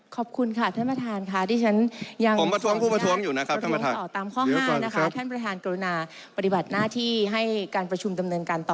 ขอบคุณค่ะท่านประธานค่ะที่ฉัน